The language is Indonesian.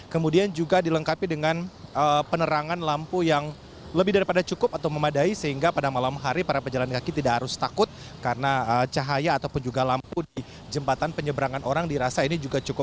kemudian juga dilengkapi dengan penerangan lampu yang lebih daripada cukup atau memadai sehingga pada malam hari para pejalan kaki tidak harus takut karena cahaya ataupun juga lampu di jembatan penyeberangan orang dirasa ini juga cukup